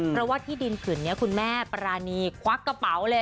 เพราะว่าที่ดินผืนนี้คุณแม่ปรานีควักกระเป๋าเลย